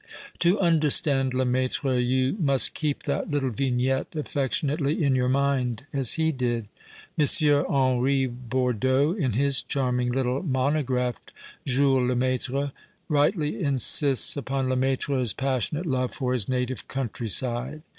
To understand Lemaitre you must keep that little vignette affectionately in your mind, as he did. M. Henry Bordeaux, in his charming little mono graph " Jules Lemaitre," rightly insists upon Lemaitre's passionate love for his native country side.